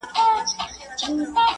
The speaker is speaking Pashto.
پرې اوښتي دي وختونه او قرنونه!!